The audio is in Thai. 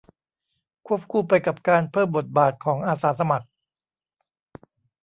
ควบคู่ไปกับการเพิ่มบทบาทของอาสาสมัคร